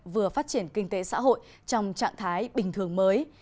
vừa phát triển kinh tế xã hội trong trạng thái bình thường mới